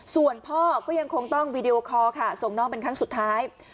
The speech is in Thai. ส่วนพ่อก็ยังคงต้องวีดีโอคอร์ค่ะส่งน้องเป็นครั้งสุดท้าย